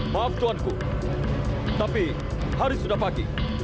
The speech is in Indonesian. maaf tuanku tapi hari sudah pagi